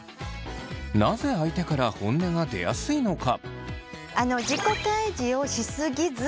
なぜ相手から本音が出やすいのか？